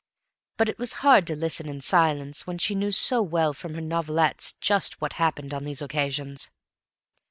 But it was hard to listen in silence when she knew so well from her novelettes just what happened on these occasions.